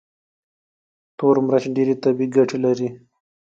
تور مرچ ډېرې طبي ګټې لري.